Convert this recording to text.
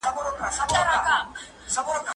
زه بايد درسونه اورم؟